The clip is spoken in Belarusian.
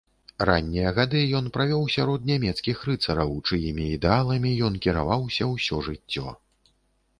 Раннія гады ён правёў сярод нямецкіх рыцараў, чыімі ідэаламі ён кіраваўся ўсё жыццё.